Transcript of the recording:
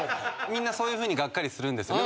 みんなそういうふうにガッカリするんですよ。